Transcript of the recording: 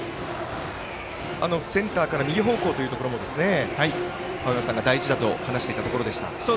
センターから右方向というところも青山さんが大事だと話していたところでした。